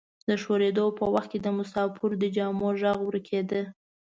د شورېدو په وخت کې د مسافرو د جامو غږ ورکیده.